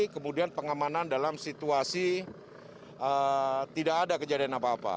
kemudian pengamanan dalam situasi tidak ada kejadian apa apa